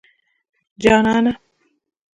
جانانه